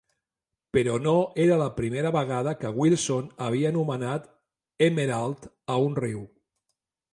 Però no era la primera vegada que Wilson havia anomenat "Emerald" a un riu.